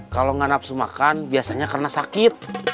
kalau nggak nafsu makan biasanya karena sakit